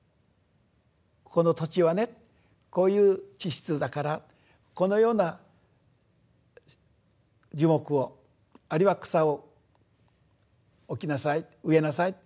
ここの土地はねこういう地質だからこのような樹木をあるいは草を置きなさい植えなさい。